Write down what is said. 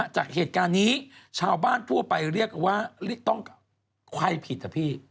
จากเหตุการณ์นี้ชาวบ้านทั่วไปเรียกว่าต้องใครผิดอะพี่